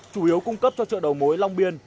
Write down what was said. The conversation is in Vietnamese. chủ yếu cung cấp cho chợ đầu mối long biên